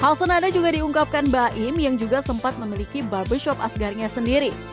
hal senada juga diungkapkan baim yang juga sempat memiliki barbershop asgarnya sendiri